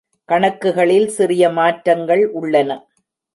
கணக்குகளில் சிறிய மாற்றங்கள் உள்ளன.